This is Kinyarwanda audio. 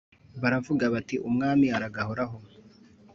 baravuga bati Umwami aragahoraho